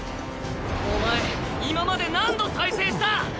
お前今まで何度再生した？